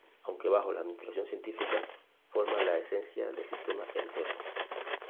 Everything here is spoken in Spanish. Aunque bajo la administración científica "forman la esencia del sistema entero".